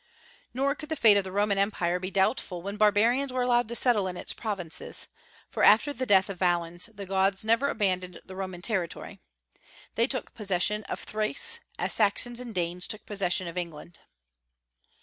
Nor could the fate of the Roman empire be doubtful when barbarians were allowed to settle in its provinces; for after the death of Valens the Goths never abandoned the Roman territory. They took possession of Thrace, as Saxons and Danes took possession of England.